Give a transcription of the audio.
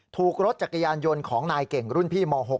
ถูกรถจักรยานยนต์ของนายเก่งรุ่นพี่ม๖